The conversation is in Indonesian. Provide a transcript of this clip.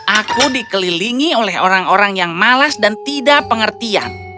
aku dikelilingi oleh orang orang yang malas dan tidak pengertian